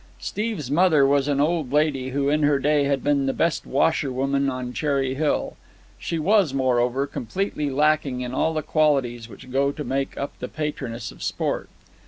Steve's mother was an old lady who in her day had been the best washerwoman on Cherry Hill. She was, moreover, completely lacking in all the qualities which go to make up the patroness of sport.